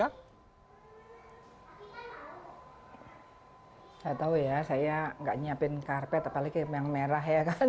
saya tahu ya saya nggak nyiapin karpet apalagi yang merah ya kan